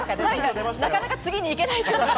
なかなか次にいけない。